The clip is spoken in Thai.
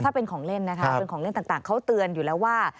ถ้าเป็นของเล่นนะคะเป็นของเล่นต่างเขาเตือนอยู่แล้วว่า